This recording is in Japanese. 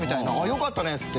「よかったね」っつって。